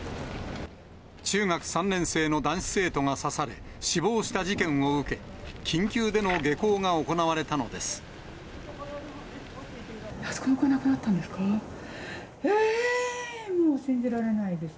中学３年生の男子生徒が刺され、死亡した事件を受け、緊急での下校が行われたのです。